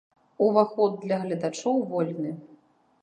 Уваход для гледачоў вольны.